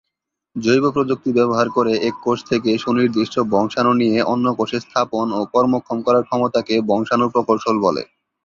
জৈবপ্রযুক্তি ব্যবহার করে এক কোষ থেকে সুনির্দিষ্ট বংশাণু নিয়ে অন্য কোষে স্থাপন ও কর্মক্ষম করার ক্ষমতাকে বংশাণু প্রকৌশল বলে।